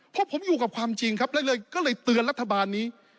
เพราะผมอยู่กับความจริงครับก็เลยเตือนรัฐบาลนี้